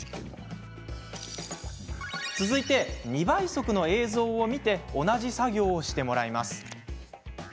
続いて、２倍速の映像を見て同じ作業をしてもらいます。